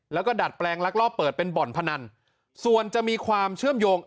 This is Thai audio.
แล้วก็ดัดแปลงลักลอบเปิดเป็นบ่อนพนันส่วนจะมีความเชื่อมโยง